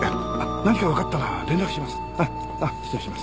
何かわかったら連絡します。